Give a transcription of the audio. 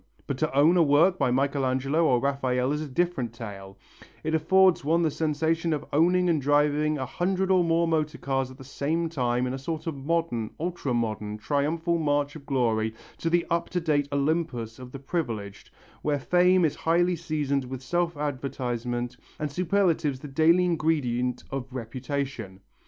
But to own a work by Michelangelo or Raphael is a different tale; it affords one the sensation of owning and driving a hundred or more motor cars all at the same time in a sort of modern ultra modern triumphal march of glory to the up to date Olympus of the privileged, where fame is highly seasoned with self advertisement, and superlatives the daily ingredient of reputation.